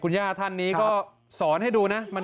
ย่าท่านนี้ก็สอนให้ดูนะ